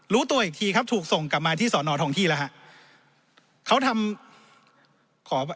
รู้ตัวอีกทีครับถูกส่งกลับมาที่สอนอทองที่แล้วครับ